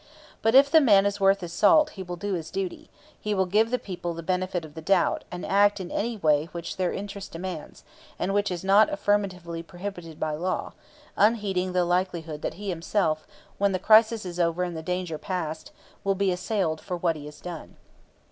But if the man is worth his salt he will do his duty, he will give the people the benefit of the doubt, and act in any way which their interests demand and which is not affirmatively prohibited by law, unheeding the likelihood that he himself, when the crisis is over and the danger past, will be assailed for what he has done.